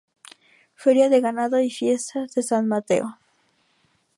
Feria de ganado y fiestas de San Mateo.